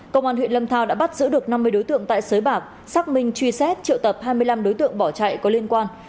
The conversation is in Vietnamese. công an huyện lâm thao đã bắt giữ được năm mươi đối tượng tại sới bạc xác minh truy xét triệu tập hai mươi năm đối tượng bỏ chạy có liên quan